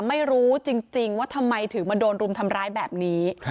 ไม่รู้จริงว่าทำไมถึงมาโดนรุมทำร้ายแบบนี้